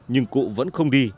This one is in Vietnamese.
nhưng cụ vẫn không đi